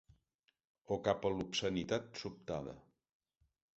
O cap a l'obscenitat sobtada.